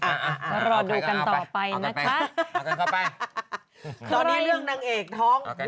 อ่าเอากันก่อนไปแบบนี้ตอนนี้เรื่องนางเอกทองหุ่นหู้